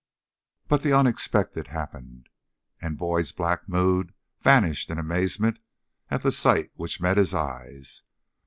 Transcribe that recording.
But the unexpected happened, and Boyd's black mood vanished in amazement at the sight which met his eyes.